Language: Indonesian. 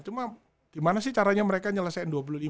cuma gimana sih caranya mereka nyelesaikan dua puluh lima